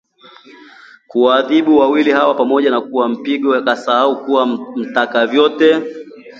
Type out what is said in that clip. kuwaadhibu wawili hawa pamoja na kwa mpigo, akasahau kuwa mtaka vyote